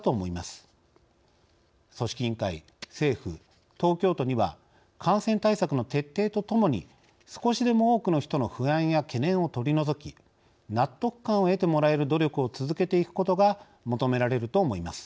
組織委員会政府東京都には感染対策の徹底とともに少しでも多くの人の不安や懸念を取り除き納得感を得てもらえる努力を続けていくことが求められると思います。